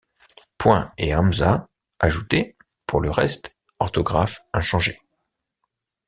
Points et hamzas ajoutés, pour le reste, orthographe inchangée.